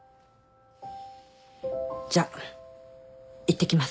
じゃあいってきます。